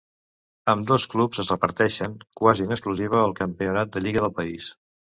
Ambdós clubs es reparteixen, quasi en exclusiva, el campionat de lliga del país.